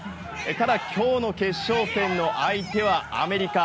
ただ、今日の決勝戦の相手はアメリカ。